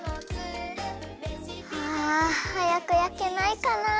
あはやくやけないかな。